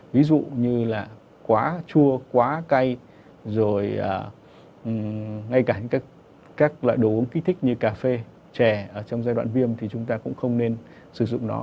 ví dụ như là quá chua quá cay rồi ngay cả các loại đồ uống kích thích như cà phê chè trong giai đoạn viêm thì chúng ta cũng không nên sử dụng nó